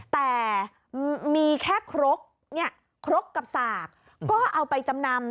แต่มีแค่ครกกับสากก็เอาไปจำนำ